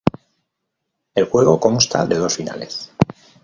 El juego consta de dos finales.